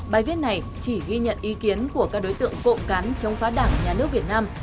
bài viết này chỉ ghi nhận ý kiến của các đối tượng cộng cán chống phá đảng nhà nước việt nam